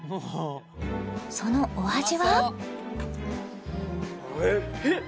そのお味は？